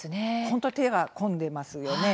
本当に手が込んでますよね。